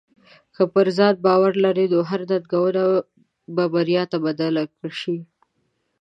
که په ځان باور لرې، نو هره ننګونه به بریا ته بدل شي.